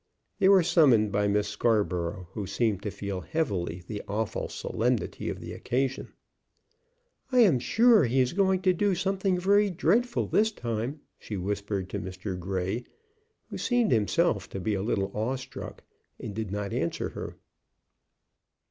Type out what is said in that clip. They were summoned by Miss Scarborough, who seemed to feel heavily the awful solemnity of the occasion. "I am sure he is going to do something very dreadful this time," she whispered to Mr. Grey, who seemed himself to be a little awe struck, and did not answer her.